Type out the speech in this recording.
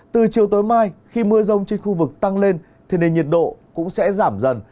từ chiều tối mai khi mưa rông trên khu vực tăng lên thì nền nhiệt độ cũng sẽ giảm dần